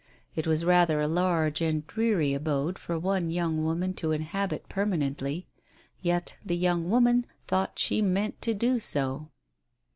It was rather a large and dreary abode for one young woman to inhabit permanently, yet the young woman thought she meant to do so